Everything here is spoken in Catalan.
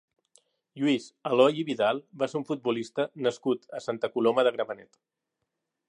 Lluís Aloy i Vidal va ser un futbolista nascut a Santa Coloma de Gramenet.